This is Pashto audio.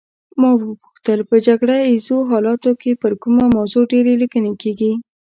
ما وپوښتل په جګړه ایزو حالاتو کې پر کومه موضوع ډېرې لیکنې کیږي.